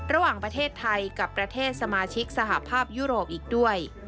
ระหว่างประเทศไทยกับประเทศสมาชิกสหภาพยุโรปอีกด้วย